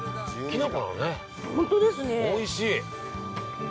◆おいしい！